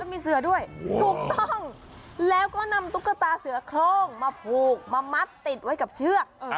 มีเสือด้วยถูกต้องแล้วก็นำตุ๊กตาเสือโครงมาผูกมามัดติดไว้กับเชือก